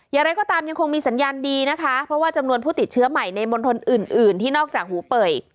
อย่างไรก็ตามยังคงมีสัญญาณดีนะคะเพราะว่าจำนวนผู้ติดเชื้อใหม่ในมณฑลอื่นที่นอกจากหูเป่ย